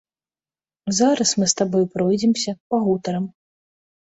Зараз мы з табой пройдземся, пагутарым.